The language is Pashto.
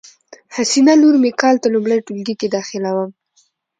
حسینه لور می کال ته لمړی ټولګي کی داخلیدوم